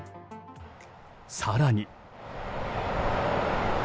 更に。